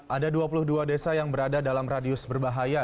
ada dua puluh dua desa yang berada dalam radius berbahaya